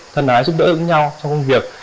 thân ái giúp đỡ giúp nhau trong công việc